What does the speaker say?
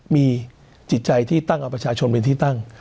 มีจิตใจที่ตั้งเอาประชาชนเป็นที่ตั้ง